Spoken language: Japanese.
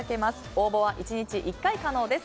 応募は１日１回可能です。